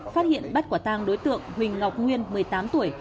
phát hiện bắt quả tang đối tượng huỳnh ngọc nguyên một mươi tám tuổi